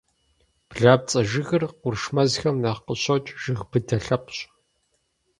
Блапцӏэ жыгыр къурш мэзхэм нэхъ къыщокӏ, жыг быдэ лъэпкъщ.